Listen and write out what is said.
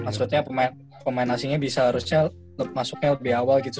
maksudnya pemain asingnya bisa harusnya masuknya lebih awal gitu